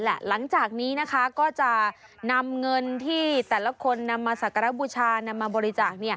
หลังจากนี้นะคะก็จะนำเงินที่แต่ละคนนำมาสักการะบูชานำมาบริจาค